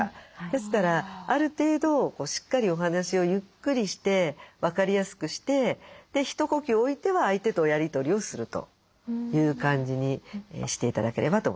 ですからある程度しっかりお話をゆっくりして分かりやすくして一呼吸置いては相手とやり取りをするという感じにして頂ければと思いますね。